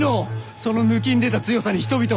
その抜きんでた強さに人々はひれ伏す。